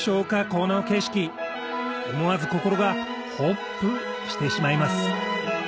この景色思わず心がホップしてしまいます